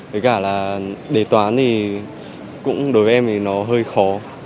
với cả là đề toán thì cũng đối với em thì nó hơi khó